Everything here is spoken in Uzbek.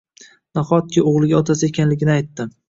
nahotki oʻgʻlimga otasi ekanligini aytdi